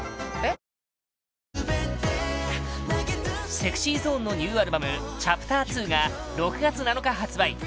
ＳｅｘｙＺｏｎｅのニューアルバム「ＣｈａｐｔｅｒⅡ」が６月７日発売